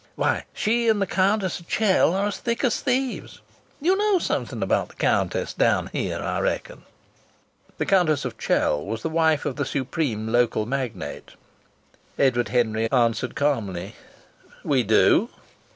"Why, she and the Countess of Chell are as thick as thieves! You know something about the Countess down here, I reckon?" The Countess of Chell was the wife of the supreme local magnate. Edward Henry answered calmly, "We do."